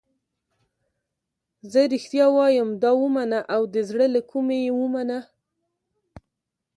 زه رښتیا وایم دا ومنه او د زړه له کومې یې ومنه.